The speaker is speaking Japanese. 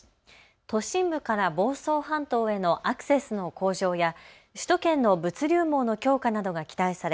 都心部から房総半島へのアクセスの向上や首都圏の物流網の強化などが期待され